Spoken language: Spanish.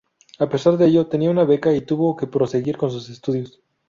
A pesar de ello, tenía una beca, y tuvo que proseguir con sus estudios.